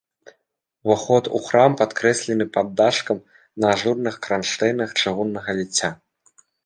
Уваход у храм падкрэслены паддашкам на ажурных кранштэйнах чыгуннага ліцця.